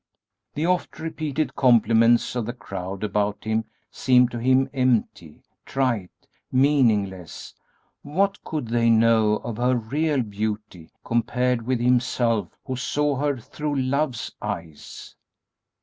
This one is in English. The oft repeated compliments of the crowd about him seemed to him empty, trite, meaningless; what could they know of her real beauty compared with himself who saw her through Love's eyes!